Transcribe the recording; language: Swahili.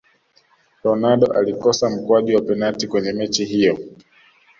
ronaldo alikosa mkwaju wa penati kwenye mechi hiyo